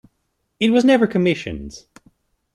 It was never commissioned.